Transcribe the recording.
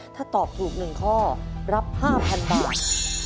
ถ้าตอบถูก๑ข้อรับ๕๐๐๐บาท